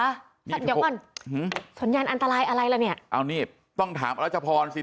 เดี๋ยวก่อนสัญญาณอันตรายอะไรล่ะเนี่ยเอานี่ต้องถามอรัชพรสิ